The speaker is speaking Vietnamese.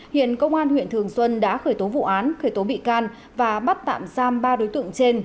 hiện công an huyện thường xuân đã khởi tố vụ án khởi tố bị can và bắt tạm giam ba đối tượng trên